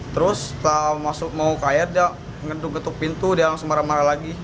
terus setelah masuk mau ke air dia ngeduk getuk pintu dia langsung marah marah lagi